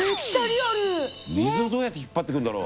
水をどうやって引っ張ってくるんだろう。